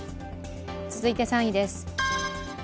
続いて３位です。